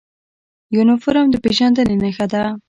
یونفورم د پیژندنې نښه ده